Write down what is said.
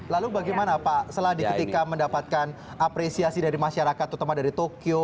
lalu bagaimana pak seladi ketika mendapatkan apresiasi dari masyarakat terutama dari tokyo